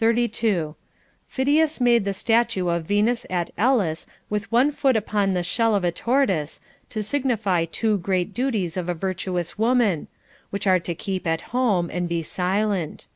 32. Phidias made the statue of Venus at Elis with one foot upon the shell of a tortoise, to signify two great duties of a virtuous woman, which are to keep at home and be silent.